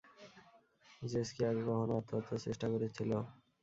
JS কি আগে কখনো আত্মহত্যার চেষ্টা করেছিল?